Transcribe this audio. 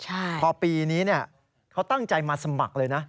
พอปีนี้เขาตั้งใจมาสมัครเลยนะ